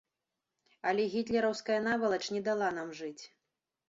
Але гітлераўская навалач не дала нам жыць.